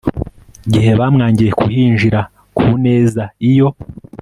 gihe bamwangiye kuhinjira ku neza iyo